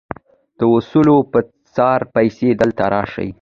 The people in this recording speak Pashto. د وسلو په څار پسې دلته راشي.